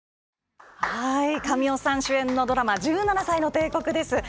神尾さん主演のドラマ「１７才の帝国」です。